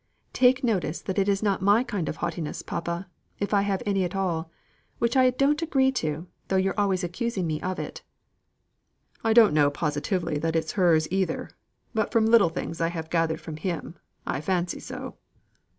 "Take notice that is not my kind of haughtiness, papa, if I have any at all; which I don't agree to, though you're always accusing me of it." "I don't know positively that it is hers either; but from little things I have gathered from him, I fancy so."